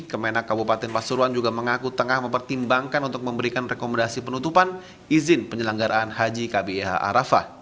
kemenak kabupaten pasuruan juga mengaku tengah mempertimbangkan untuk memberikan rekomendasi penutupan izin penyelenggaraan haji kbih arafah